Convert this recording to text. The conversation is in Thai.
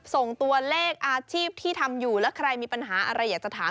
ส่งตัวเลขอาชีพที่ทำอยู่แล้วใครมีปัญหาอะไรอยากจะถาม